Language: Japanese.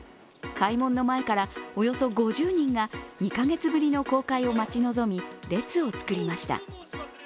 開門の前からおよそ５０人が２カ月ぶりの公開を待ち望み、列を作りました。